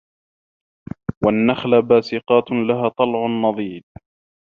وَالنَّخلَ باسِقاتٍ لَها طَلعٌ نَضيدٌ